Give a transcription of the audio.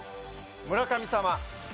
村神様。